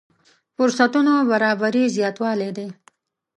فرصتونو برابري زياتوالی دی.